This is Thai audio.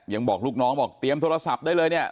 บอกลูกน้องบอกเตรียมโทรศัพท์ได้เลยเนี่ย